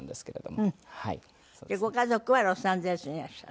でご家族はロサンゼルスにいらっしゃる？